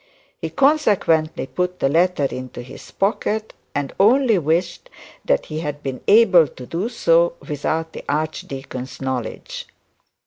He consequently put the letter into his pocket, and only wished that he had been able to do so without the archdeacon's knowledge.